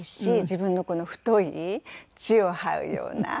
自分のこの太い地を這うような。